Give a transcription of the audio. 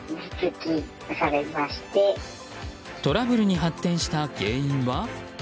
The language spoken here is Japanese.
トラブルに発展した原因は？